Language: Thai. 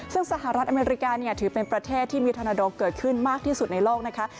ซึ่งสหรัฐอเมริกาถือเป็นประเทศที่มีธนโดเกิดขึ้นมากที่สุดในโลกนะคะ